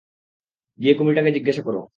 গিয়ে কুমিরটাকে জিজ্ঞাসা কর।